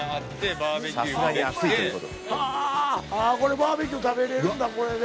バーベキュー食べれるんだこれで。